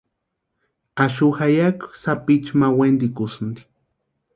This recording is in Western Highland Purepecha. Axu jayaki sapichu ma wentikusïnti.